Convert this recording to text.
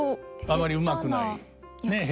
あまりうまくないねえ